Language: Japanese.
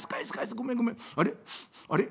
「あれ？